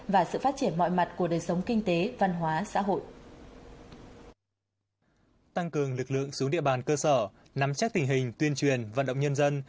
tăng cường lực lượng xuống địa bàn cơ sở nắm chắc tình hình tuyên truyền vận động nhân dân